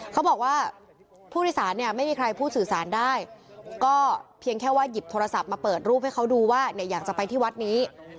เขาบอกว่าผู้โดยสารเนี่ยไม่มีใครพูดสื่อสารได้ก็เพียงแค่ว่าหยิบโทรศัพท์มาเปิดรูปให้เขาดูว่าเนี่ยอยากจะไปที่วัดนี้